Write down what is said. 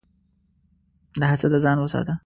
له حسده ځان وساته.